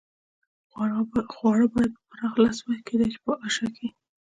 خواړه باید په پراخه لاس وي، کېدای شي په اعاشه کې.